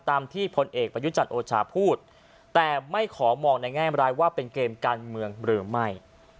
ตามที่พลเอกประยุจันทร์โอชาพูดแต่ไม่ขอมองในแง่มร้ายว่าเป็นเกมการเมืองหรือไม่